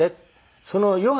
「そのヨガ